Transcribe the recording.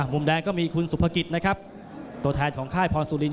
มุมแดงก็มีคุณสุภกิจนะครับตัวแทนของค่ายพรสุริน